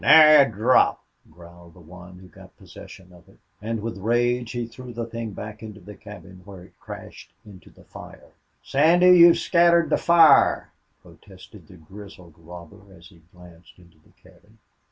"Nary a drop!" growled the one who got possession of it. And with rage he threw the thing back into the cabin, where it crashed into the fire. "Sandy, you've scattered the fire," protested the grizzled robber, as he glanced into the cabin.